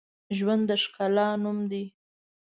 ژوند د ښکلا نوم دی